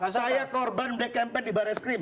saya korban black campaign di barreskrim